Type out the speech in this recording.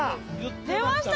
出ました！